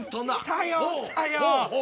さようさよう。